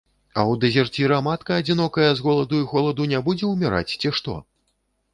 А ў дэзерціра матка адзінокая з голаду і холаду не будзе ўміраць, ці што?